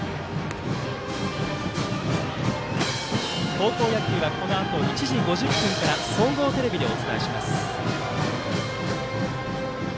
高校野球はこのあと１時５０分から総合テレビでお伝えします。